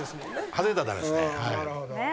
外れたら駄目ですね。